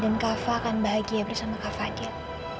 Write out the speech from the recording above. eva akan bahagia bersama kak fadil